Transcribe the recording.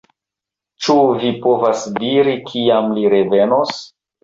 Ĉu vi povas diri, kiam li revenos?